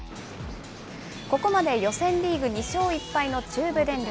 ここまで予選リーグ２勝１敗の中部電力。